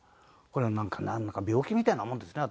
これはなんか病気みたいなもんですね